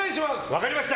分かりました。